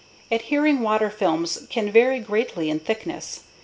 Adhering water films can vary greatly in thickness.